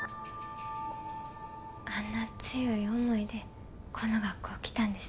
あんな強い思いでこの学校来たんですね。